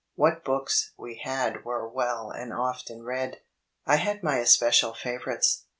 What books we had were well and often read. I had my especial favourires.